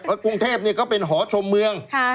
แล้วกรุงเทพก็เป็นหอชมเมือง